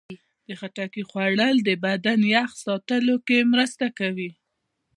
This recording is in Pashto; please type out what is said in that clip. د خټکي خوړل د بدن یخ ساتلو کې مرسته کوي.